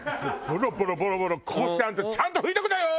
「ボロボロボロボロこぼしてあんたちゃんと拭いとくのよ！」。